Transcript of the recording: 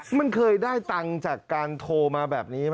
มันเคยได้ตังค์จากการโทรมาแบบนี้ไหม